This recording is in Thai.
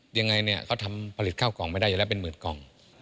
ยังไงเนี่ยเขาทำผลิตข้าวกล่องไม่ได้อยู่แล้วเป็นหมื่นกล่อง